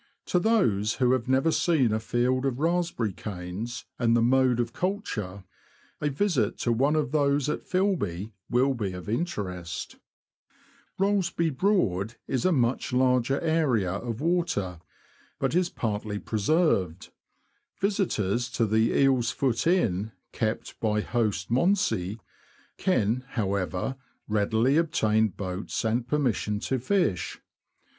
To those who have never seen a field of raspberry canes, and the mode of culture, a visit to one of those at Filby will be of interest. UP THE BURE TO ACLE BRIDGE. 115 Rollesby Broad is a much larger area of water, but is partly preserved ; visitors to the Eel's Foot Inn, kept by host Monsey, can, however, readily obtain boats and permission to fish.